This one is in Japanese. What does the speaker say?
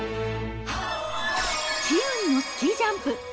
悲運のスキージャンプ。